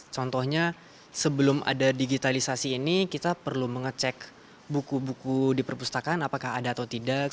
contohnya sebelum ada digitalisasi ini kita perlu mengecek buku buku di perpustakaan apakah ada atau tidak